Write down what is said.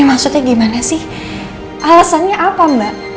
maksudnya gimana sih alasannya apa mbak